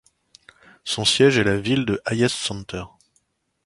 Son siège est la ville de Hayes Center.